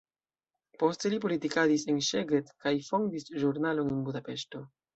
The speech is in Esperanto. Poste li politikadis en Szeged kaj fondis ĵurnalon en Budapeŝto.